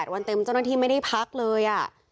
วันเต็มเจ้าหน้าที่ไม่ได้พักเลย